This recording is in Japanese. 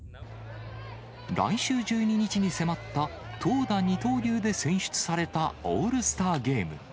来週１２日に迫った投打二刀流で選出されたオールスターゲーム。